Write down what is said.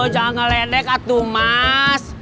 jangan ngeledek atumas